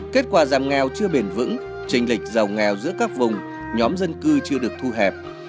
kết quả giảm nghèo chưa bền vững trình lịch giàu nghèo giữa các vùng nhóm dân cư chưa được thu hẹp